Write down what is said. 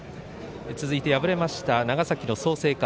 続いて敗れました長崎の創成館